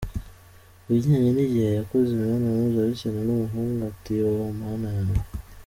Kubijyanye n’igihe yakoze imibonano mpuzabitsina n’umuhungu, ati :”Ohhh Mana yanjye,.